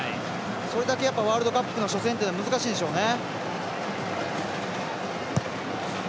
それだけワールドカップの初戦って難しいんでしょうね。